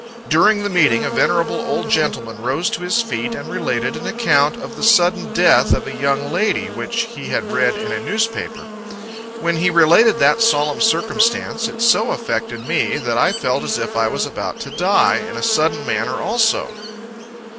During the meeting, a venerable old gentleman rose to his feet, and related an account of the sudden death of a young lady, which he had read in a newspapers. When he related that solemn circumstance, it so affected me, that I felt as if I was about to die, in a sudden manner also.